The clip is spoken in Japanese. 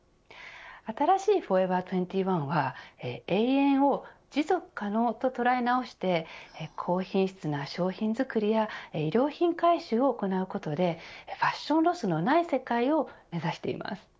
新しいフォーエバー２１は永遠を持続可能と捉え直して高品質な商品作りや衣料品回収を行うことでファッションロスのない世界を目指しています。